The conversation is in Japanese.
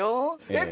えっ？